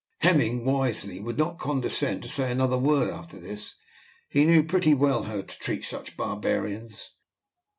Hemming wisely would not condescend to say another word after this. He knew pretty well how to treat such barbarians.